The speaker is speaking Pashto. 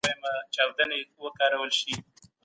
هیڅ افغان باید په خپل هېواد کي بېګانه احساس نه کړي.